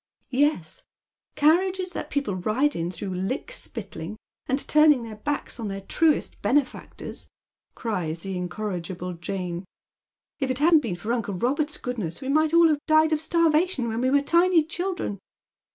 " Yes, carriages that people ride in through lick spittling, and turning their backs on their truest benefactors," cries the incor rigible Jane. " If it hadn't been for uncle Robert's goodness we might all have died of starvation when we were tiny children.